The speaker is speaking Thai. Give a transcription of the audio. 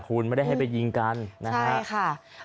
คุณไม่ได้ให้ไปยิงกันนะฮะใช่ค่ะ